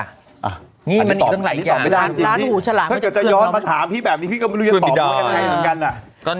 อันนี้ตอบไม่ได้จริงถ้าจะย้อนมาถามพี่แบบนี้พี่ก็ไม่รู้จะตอบไงเหมือนกัน